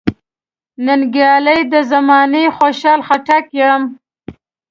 ننګیالی د زمانې خوشحال خټک یم .